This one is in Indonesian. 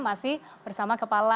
masih bersama saya mbak mbak